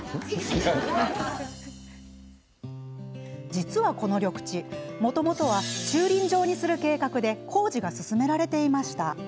実は、この緑地もともとは駐輪場にする計画で工事が進められていました。